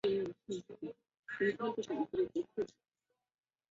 这使他错过了特伦顿战役等重要战事。